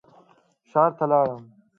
ښار ته لاړم.